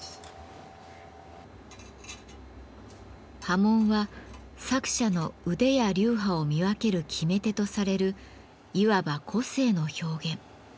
刃文は作者の腕や流派を見分ける決め手とされるいわば個性の表現。